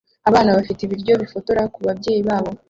Abana bafite ibiryo bifotora kubabyeyi babo